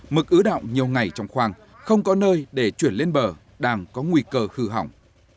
mực ứ động nhiều ngày trong khoang không có nơi để chuyển lên bờ đang có nguy cơ hư hỏng